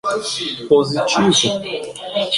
Positivo.